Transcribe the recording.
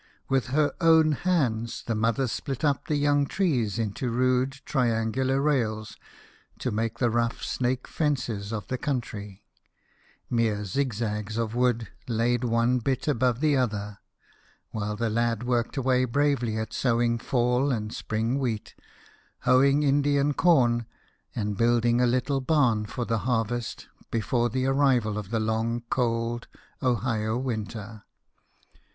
With her own hands, the mother split up the young trees into rude triangular rails to make the rough snake fences of the country mere zigzags of wood laid one bit above the other ; while the lad worked away bravely at sowing fall and spring wheat, hoeing Indian corn, and building a little barn for the harvest before the arrival of the long cold Ohio winter.